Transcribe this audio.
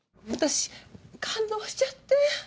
私感動しちゃって。